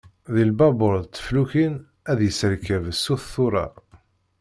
Di lbabur d teflukin, ad yesserkeb sut tura.